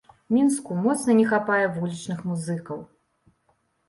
Мінску моцна не хапае вулічных музыкаў.